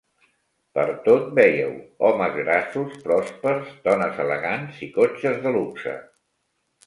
Pertot vèieu homes grassos, pròspers, dones elegants i cotxes de luxe.